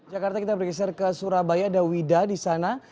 jakarta kita bergeser ke surabaya ada wida di sana